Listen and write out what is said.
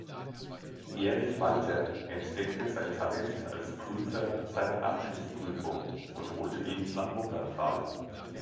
Erich Walter entdeckte sein Talent als Prüfer seiner Abschlussprüfung und holte ihn nach Wuppertal.